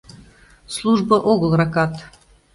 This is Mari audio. Службо огыл ракат.